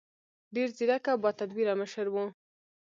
ډېر ځیرک او باتدبیره مشر و.